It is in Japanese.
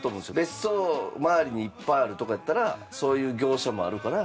別荘周りにいっぱいあるとこやったらそういう業者もあるから。